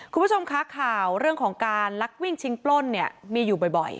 คุณผู้ชมคะข่าวเรื่องของการลักวิ่งชิงปล้นเนี่ยมีอยู่บ่อย